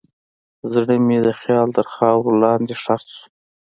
زړه مې د خیال تر خاورو لاندې ښخ شو.